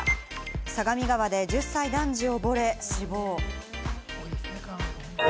相模川で１０歳男児、溺れて死亡。